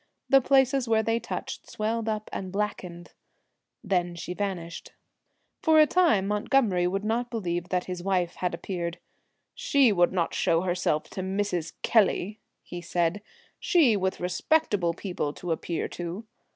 The places where they touched swelled up and blackened. She then vanished. For a time Montgomery would not believe that his wife had appeared : 1 she would not show herself to Mrs. Kelly,' he said —' she with respectable people to appear to.'